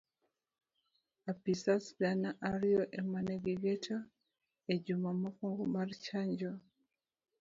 Apisas gana ariyo emane gigeto ejuma mokuongo mar chanjo.